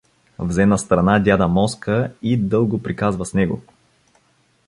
Взе настрана дяда Моска и дълго приказва с него.